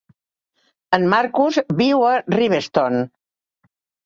En Markus viu a Riverstone.